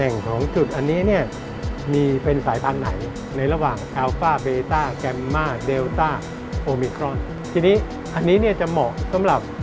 แล้วก็แปลผลออกมาว่า